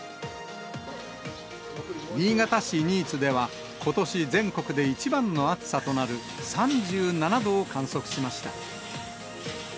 新潟市新津では、ことし全国で一番の暑さとなる３７度を観測しました。